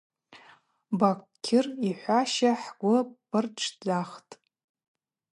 Бакьыр йхӏваща, хӏгвы пыртшдзахтӏ.